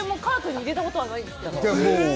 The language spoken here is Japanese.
カートに入れたことないんですけど。